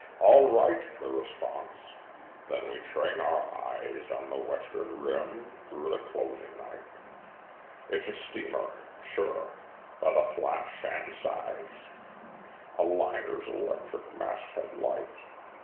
"All right!" the response. Then we train our eyes On the western rim thro' the closing night. It's a steamer, sure, by the flash and size A liner's electric masthead light.